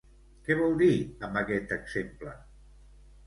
Què vol dir amb aquest exemple?